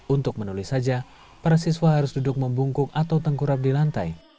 untuk menulis saja para siswa harus duduk membungkuk atau tengkurap di lantai